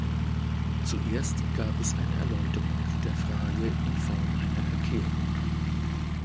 Zuerst gab es eine Erläuterung der Frage in Form einer Erklärung.